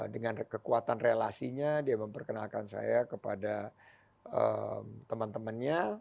dengan kekuatan relasinya dia memperkenalkan saya kepada teman temannya